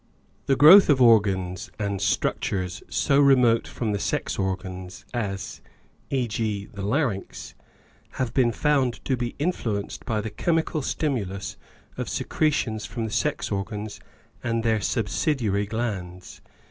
The growth of organs and structures so remote from the sex organs, as, e.g., the larynx, have been found to be influenced by the chemical stimulus of secretions from the sex organs and their subsidiary glands.